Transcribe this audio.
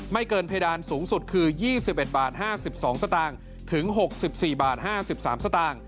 ไม่เกินเพดานสูงสุดคือ๒๑๕๒สตถึง๖๔๕๓สต